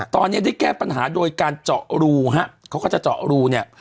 ตอนนี้ได้แก้ปัญหาโดยการเจาะรูฮะเขาก็จะเจาะรูเนี่ย